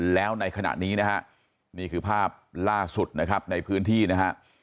แล้วในขณะนี้นะฮะนี่คือภาพล่าสุดนะครับในพื้นที่นะฮะ